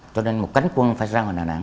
cho nên một cánh quân phải ra hà nẵng